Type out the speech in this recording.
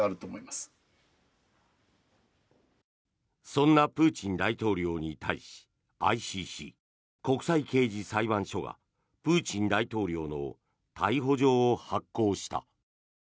そんなプーチン大統領に対しＩＣＣ・国際刑事裁判所がプーチン大統領の逮捕状を発行した。